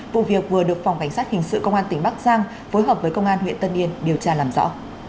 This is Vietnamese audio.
vụ việc vừa được phòng cảnh sát hình sự công an tỉnh bắc giang phối hợp với công an huyện tân yên điều tra làm rõ